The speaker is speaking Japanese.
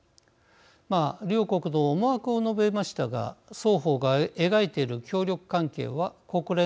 両国の思惑を述べましたが双方が描いている協力関係は国連安保理の決議に違反します。